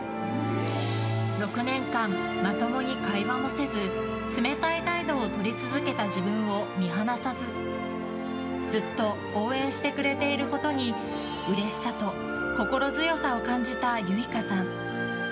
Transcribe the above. ６年間まともに会話もせず冷たい態度をとり続けた自分を見放さずずっと応援してくれていることにうれしさと心強さを感じた結奏さん。